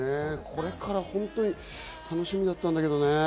これから本当に楽しみだったんだけどね。